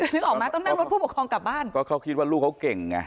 นึกออกไหมต้องนั่งรถผู้ปกครองกลับบ้านก็เขาคิดว่าลูกเขาเก่งไง